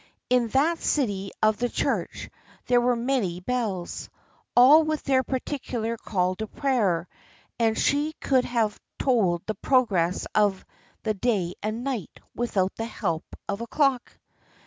In that city of the Church there were many bells all with their particular call to prayer, and she could have told the progress of the day and night without the help of a clock.